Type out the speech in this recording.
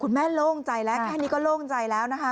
โล่งใจแล้วแค่นี้ก็โล่งใจแล้วนะคะ